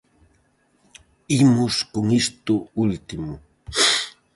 Imos con isto último.